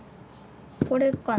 これかな。